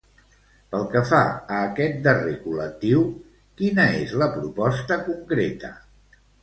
Pel que fa a aquest darrer col·lectiu, quina és la proposta concreta?